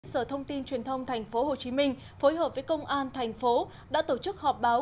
sở thông tin truyền thông tp hcm phối hợp với công an thành phố đã tổ chức họp báo